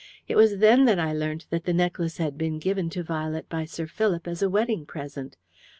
It was then that I learnt that the necklace had been given to Violet by Sir Philip as a wedding present.